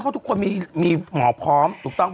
ทุกทีทุกคน